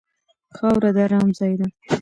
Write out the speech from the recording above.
خاوره د ارام ځای دی.